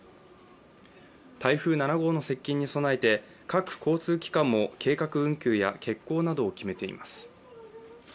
台風７号の接近に備えて各交通機関も計画運休や欠航などを決めています。